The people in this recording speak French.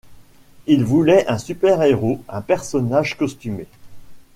Ils voulaient un super-héros, un personnage costumé.